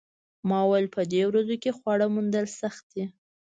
ما وویل په دې ورځو کې خواړه موندل سخت دي